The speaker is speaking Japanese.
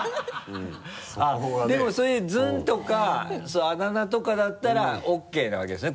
あっでもそういう「ずん」とかそういうあだ名とかだったらＯＫなわけですよね？